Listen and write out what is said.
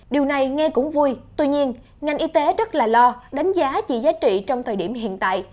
điều này nghe cũng vui tuy nhiên ngành y tế rất là lo đánh giá chỉ giá trị trong thời điểm hiện tại